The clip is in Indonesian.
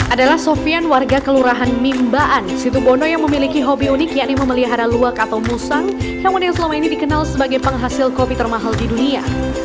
adalah sofian warga kelurahan mimbaan situbondo yang memiliki hobi unik yakni memelihara luak atau musang yang selama ini dikenal sebagai penghasil kopi termahal di dunia